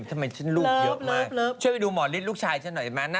พี่ปุ้ยลูกโตแล้ว